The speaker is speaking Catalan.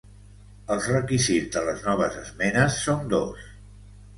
Els requisits de les noves esmenes són dos.